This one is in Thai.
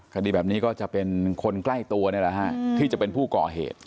คดีแบบนี้ก็จะเป็นคนใกล้ตัวนี่แหละฮะที่จะเป็นผู้ก่อเหตุ